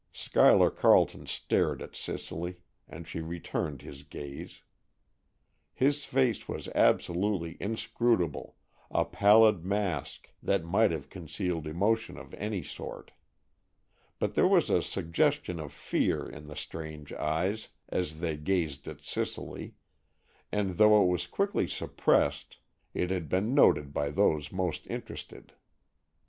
Schuyler Carleton stared at Cicely, and she returned his gaze. His face was absolutely inscrutable, a pallid mask, that might have concealed emotion of any sort. But there was a suggestion of fear in the strange eyes, as they gazed at Cicely, and though it was quickly suppressed it had been noted by those most interested.